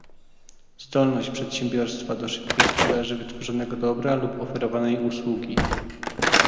zdolność przedsiębiorstwa do szybkiej sprzedaży wytworzonego dobra lub oferowanej usługi